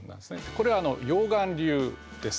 これ溶岩流です。